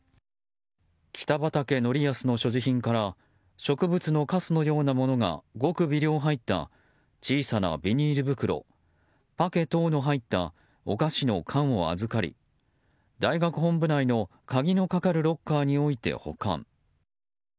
北畠成文の所持品から植物のカスのようなものが極微量入った小さなビニール袋パケ等の入ったお菓子の缶を預かり大学本部内の鍵のかかるロッカーにおいて保管。